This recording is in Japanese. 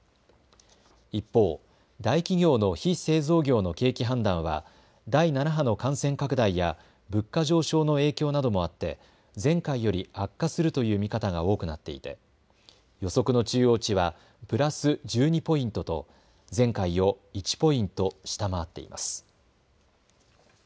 一方、大企業の非製造業の景気判断は第７波の感染拡大や物価上昇の影響などもあって前回より悪化するという見方が多くなっていて予測の中央値はプラス１２ポイントと前回を１ポイント下回っています。